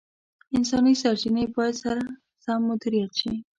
انساني سرچیني باید سم مدیریت شي.